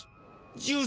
１０